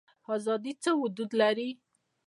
ازادي څه حدود لري؟